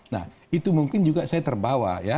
nah itu mungkin juga saya terbawa ya